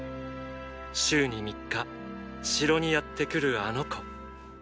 週に３日城にやって来るあの子